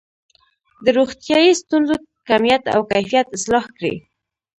د روغتیايي ستونزو کمیت او کیفیت اصلاح کړي.